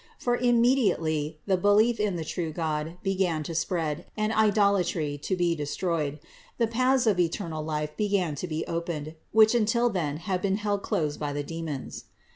For immediately the belief in the true God began to spread, and idolatry to be destroyed; the paths of eternal life began to be opened, which until then had been held closed by the demons.